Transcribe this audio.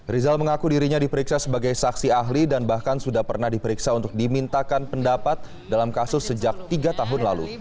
rizal mengaku dirinya diperiksa sebagai saksi ahli dan bahkan sudah pernah diperiksa untuk dimintakan pendapat dalam kasus sejak tiga tahun lalu